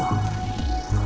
terima kasih pak chandra